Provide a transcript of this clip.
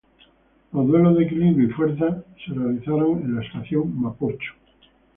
Los duelos de equilibrio y fuerza fueron realizados en la Estación Mapocho.